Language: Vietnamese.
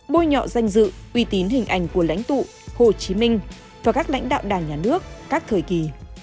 bôi nhọ danh dự uy tín hình ảnh của lãnh tụ hồ chí minh và các lãnh đạo đảng nhà nước các thời kỳ